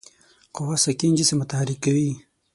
قوه ساکن جسم متحرک کوي.